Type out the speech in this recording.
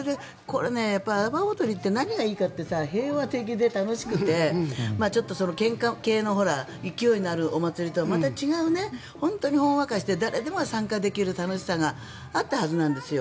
阿波おどりって何がいいかって平和的で楽しくてけんか系の勢いのあるお祭りとはまた違う本当にほんわかして誰でも参加できる楽しさがあったはずなんですよ。